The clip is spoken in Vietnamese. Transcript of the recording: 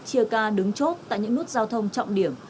chia ca đứng chốt tại những nút giao thông trọng điểm